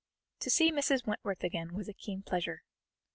To see Mrs. Wentworth again was a keen pleasure.